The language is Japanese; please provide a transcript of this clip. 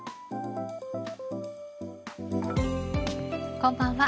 こんばんは。